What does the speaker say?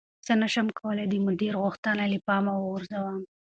زه نشم کولی چې د مدیر غوښتنه له پامه وغورځوم.